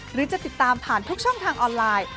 หรือจะติดตามผ่านทุกช่องทางออนไลน์